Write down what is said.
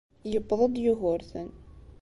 Yewweḍ-d Yugurten.